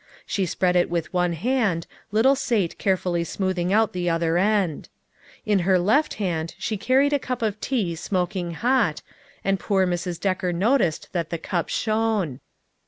She spread it with one hand, little Sate carefully smoothing out the other end. In her left hand she carried a cup of tea smoking hot, and poor Mrs. Decker noticed that the cup shone.